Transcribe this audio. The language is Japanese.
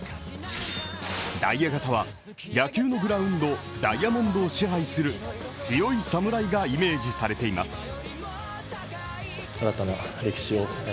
ダイヤ型は野球のグラウンドダイヤモンドを支配する強い侍がイメージされています。